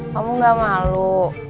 kamu gak malu